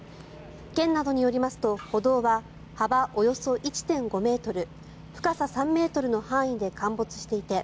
県などによりますと歩道は、幅およそ１．５ｍ深さ３ｍの範囲で陥没していて